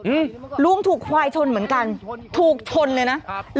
อืมลุงถูกควายชนเหมือนกันถูกชนเลยนะครับ